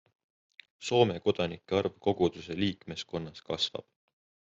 Soome kodanike arv koguduse liikmeskonnas kasvab.